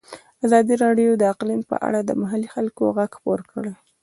ازادي راډیو د اقلیم په اړه د محلي خلکو غږ خپور کړی.